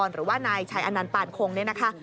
หรือว่านายชัยอนันต์ปานคงเนี่ยนะคะ